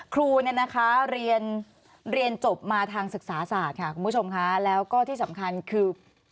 ครูเรียนจบมาทางศึกษาอาสารค่ะแล้วก็ที่สำคัญคือ